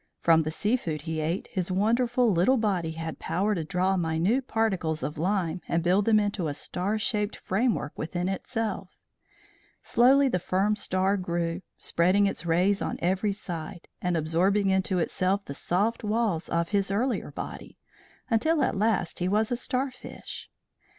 From the sea food he ate his wonderful little body had power to draw minute particles of lime and build them into a star shaped framework within itself. Slowly the firm star grew, spreading its rays on every side, and absorbing into itself the soft walls of his earlier body, until at last he was a starfish.